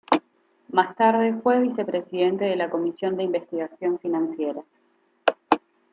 Más tarde fue vicepresidente de la comisión de investigación financiera.